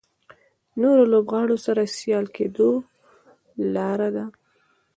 نورو لوبغاړو سره سیال کېدو لاره ده.